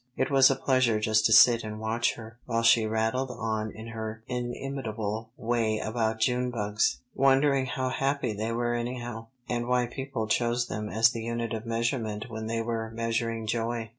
It was a pleasure just to sit and watch her, while she rattled on in her inimitable way about June bugs, wondering how happy they were anyhow, and why people chose them as the unit of measurement when they were measuring joy.